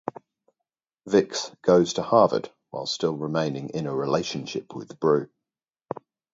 Vix goes to Harvard while still remaining in a relationship with Bru.